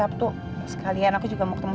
ya namanya juga kerja dok